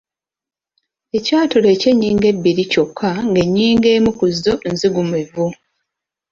Ekyatulo eky’ennyingo ebbiri kyokka ng’ennyingo emu ku zo nzigumivu.